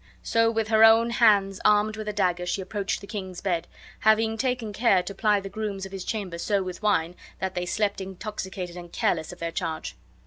So with her own hands armed with a dagger she approached the king's bed, having taken care to ply the grooms of his chamber so with wine that they slept intoxicated and careless of their charge.